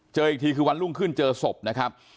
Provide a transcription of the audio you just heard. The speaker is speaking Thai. เจออีกทีคือวันรุ่งขึ้นเจอศพนะครับ